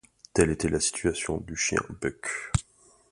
Telle était la situation du chien Buck.